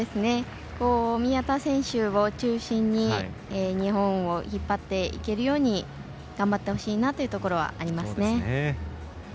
宮田選手を中心に日本を引っ張っていってもらえるように頑張ってほしいなというところはありますね。